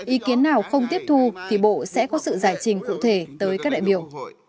ý kiến nào không tiếp thu thì bộ sẽ có sự giải trình cụ thể tới các đại biểu